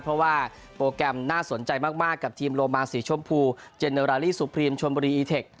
เพราะว่าโปรแกรมน่าสนใจมากกับทีมโลมาสีชมพูเจเนอราลีสุพรีมชนบุรีอีเทค